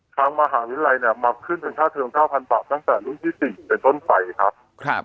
ทางมหาวิรัยเนี่ยมับขึ้นเป็นค่าเทอม๙๐๐๐บาทตั้งแต่รุ่นที่๔เป็นต้นไฟครับ